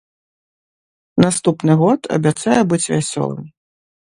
Наступны год абяцае быць вясёлым.